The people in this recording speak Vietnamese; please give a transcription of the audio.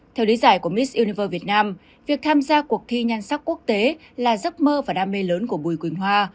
theo lý giải của miss univer việt nam việc tham gia cuộc thi nhan sắc quốc tế là giấc mơ và đam mê lớn của bùi quỳnh hoa